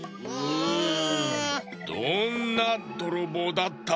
どんなどろぼうだった？